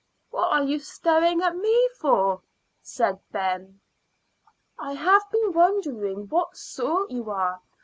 "What are you staring at me for?" said Ben. "I have been wondering what sort you are.